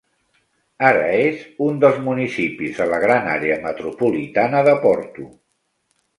Ara és un dels municipis de la Gran Àrea Metropolitana de Porto.